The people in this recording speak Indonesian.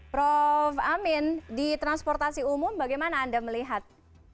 prof amin di transportasi umum bagaimana anda melihat